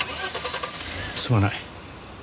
すまない。